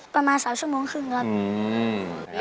ประมาณ๓ชั่วโมงครึ่งครับ